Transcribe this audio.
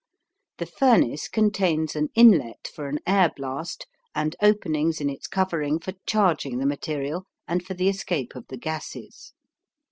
The furnace contains an inlet for an air blast and openings in its covering for charging the material and for the escape of the gases.